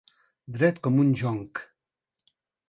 Dret com un jonc.